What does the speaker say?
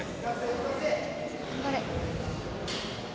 「頑張れ！」